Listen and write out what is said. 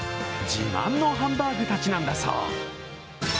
自慢のハンバーグたちなんだそう。